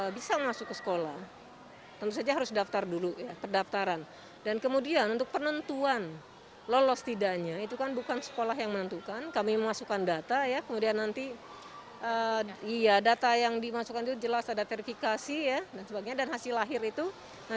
pihak sekolah menjamin pelaksanaan ppdb yang telah dihasilkan